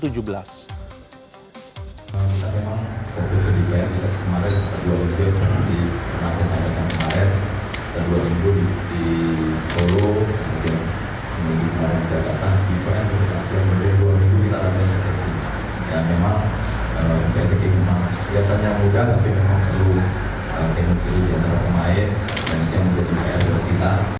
selatan yang mudah tapi memang perlu timnas u tujuh belas untuk pemain dan itu yang menjadi kekayaan buat kita